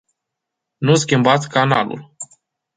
Nu schimbați canalul.